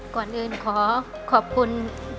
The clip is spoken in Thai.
ก่อนอื่นขอขอบคุณ